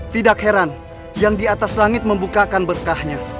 tidak heran yang di atas langit membukakan berkahnya